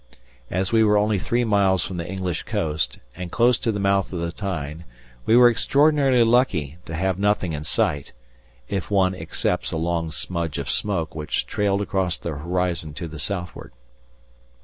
As we were only three miles from the English coast, and close to the mouth of the Tyne, we were extraordinarily lucky to have nothing in sight, if one excepts a long smudge of smoke which trailed across the horizon to the southward.